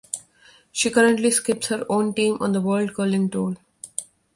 She currently skips her own team on the World Curling Tour.